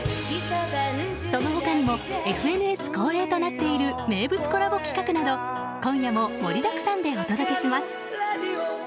その他にもＦＮＳ恒例となっている名物コラボ企画など、今夜も盛りだくさんでお届けします。